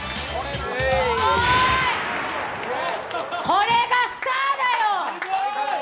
これがスターだよ！！